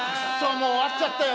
もう終わっちゃったよ。